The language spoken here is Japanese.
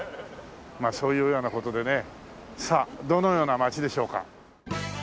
まあそういうような事でねさあどのような街でしょうか？